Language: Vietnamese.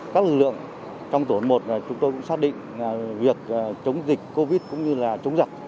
các lực lượng trong tổn một là chúng tôi cũng xác định là việc chống dịch covid cũng như là chống giặc